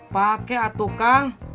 pakai atau kang